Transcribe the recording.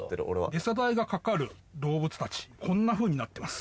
エサ代がかかる動物たちこんなふうになってます。